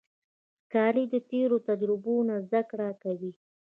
ښکاري د تیرو تجربو نه زده کړه کوي.